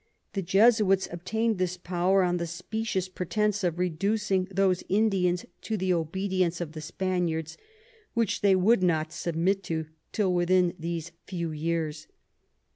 The Jesuits obtain'd this Power, on the specious Pretence of reducing those Indians to the Obedience of the Spaniards, which they would not submit to till within these few Years.